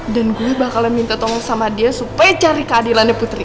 dan gue bakalan minta tolong sama dia supaya cari keadilan putri